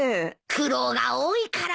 苦労が多いからね。